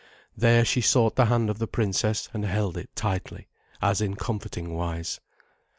There she sought the hand of the princess, and held it tightly, as in comforting wise.